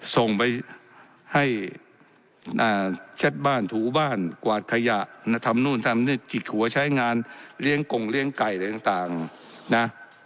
ส่งไปให้เช็ดบ้านถูบ้านกวาดขยะทำนู่นทำนี่จิกหัวใช้งานเลี้ยงกงเลี้ยงไก่อะไรต่างนะ